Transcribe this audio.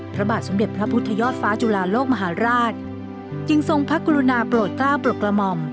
พระบาทสมเด็จพระพุทธยอดฟ้าจุฬาโลกมหาราชจึงทรงพระกรุณาโปรดกล้าโปรดกระหม่อม